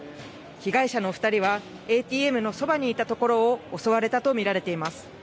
被害者の２人はＡＴＭのそばにいたところを襲われたと見られています。